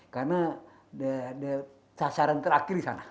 karena sasaran terakhir di sana